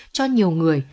cho nhiều người